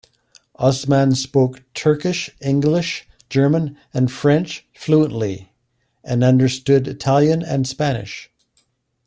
Osman spoke Turkish, English, German and French fluently and understood Italian and Spanish.